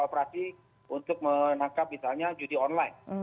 operasi untuk menangkap misalnya judi online